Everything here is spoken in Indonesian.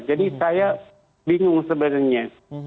jadi saya bingung sebenarnya